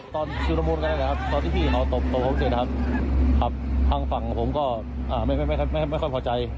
ตอนชิวรมูลก็ได้นะครับตอนที่พี่เขาตบตัวเขาเสร็จครับครับทางฝั่งผมก็อ่าไม่ไม่ค่อยพอใจ